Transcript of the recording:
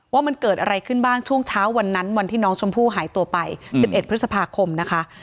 ว่ามันเกิดอะไรขึ้นบ้างช่วงเช้าวันนั้นวันที่น้องชมพู่หายตัวไป๑๑พฤษภาคมนะคะ